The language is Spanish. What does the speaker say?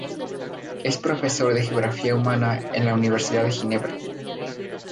Es profesor de geografía humana en la Universidad de Ginebra.